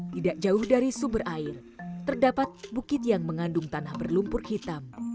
tidak jauh dari sumber air terdapat bukit yang mengandung tanah berlumpur hitam